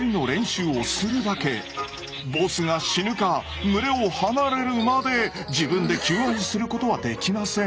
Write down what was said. ボスが死ぬか群れを離れるまで自分で求愛することはできません。